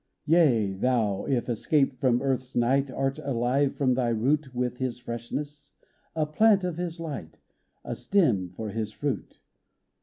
Yea, thou, if escaped from earth's night, Art alive from thy root With His freshness ; a plant of His light ; A stem for His fruit.